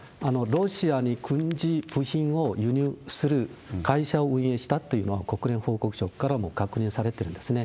ロシアに軍事部品を輸入する会社を運営したっていうのは、国連報告書からも確認されてるんですね。